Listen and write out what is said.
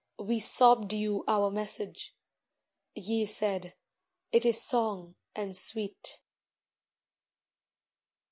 We sobbed you our message; ye said, 'It is song, and sweet!'"